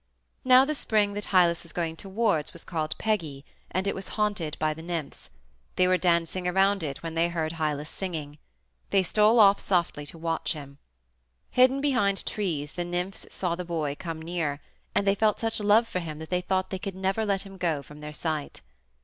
Now the spring that Hylas was going toward was called Pegae, and it was haunted by the nymphs. They were dancing around it when they heard Hylas singing. They stole softly off to watch him. Hidden behind trees the nymphs saw the boy come near, and they felt such love for him that they thought they could never let him go from their sight.